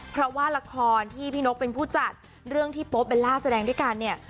เพราะว่าละครที่พี่นกเป็นผู้จัดเรื่องที่โป๊เบลล่าแสดงด้วยกันเนี่ย